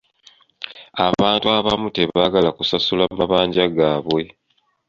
Abantu abamu tebaagala kusasula mabanja gaabwe.